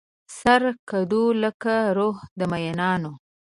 سره ګډو لکه روح د مینانو